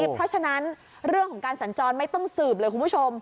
เพราะฉะนั้นเรื่องของการสัญจรไม่ต้องสืบเลยคุณผู้ชม